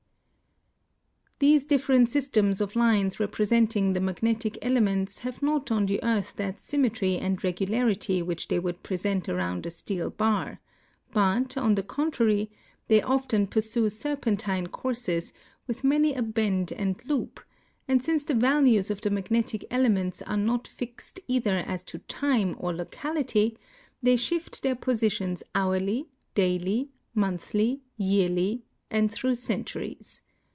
These different systems of lines representing the magnetic ele ments have not on the earth that symmetry and regularity which they would present around a steel bar ; but, on the contrary, they often pursue serpentine courses with many a bend and loop ; and since the values of the magnetic elements are not fixed either as to time or locality, they shift their positions hourly, daily, monthly, yearly, and through centuries.